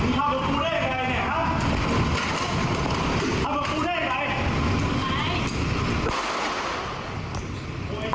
โค้ยไอ้ฮี่ไอ้ไอ้ไปไปเลย